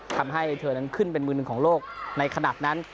ทำให้เธอนั้นขึ้นเป็นมือหนึ่งของโลกในขณะนั้น